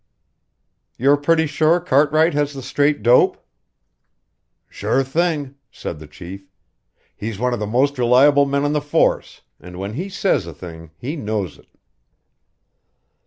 "You're pretty sure Cartwright has the straight dope!" "Sure thing," said the chief. "He's one of the most reliable men on the force, and when he says a thing, he knows it."